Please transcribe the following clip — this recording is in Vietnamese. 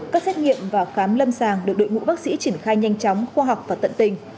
các xét nghiệm và khám lâm sàng được đội ngũ bác sĩ triển khai nhanh chóng khoa học và tận tình